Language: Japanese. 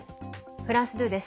フランス２です。